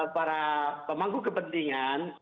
para pemangku kepentingan